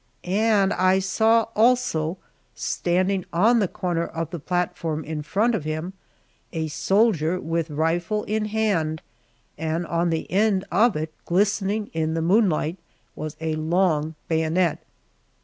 And I saw also, standing on the corner of the platform in front of him, a soldier with rifle in hand, and on the end of it glistening in the moonlight was a long bayonet!